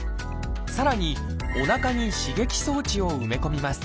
さらにおなかに刺激装置を埋め込みます。